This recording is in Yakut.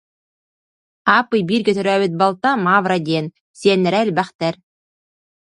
Ааппый бииргэ төрөөбүт балта Мавра диэн, сиэннэрэ элбэхтэр